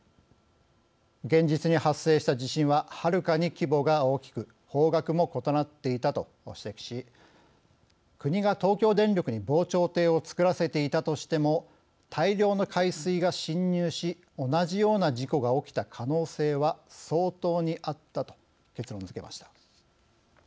現実に発生した地震ははるかに規模が大きく方角も異なっていたと指摘し国が東京電力に防潮堤を作らせていたとしても大量の海水が浸入し同じような事故が起きた可能性は相当にあったと結論づけました。